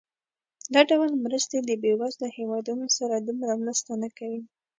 دا ډول مرستې د بېوزله هېوادونو سره دومره مرسته نه کوي.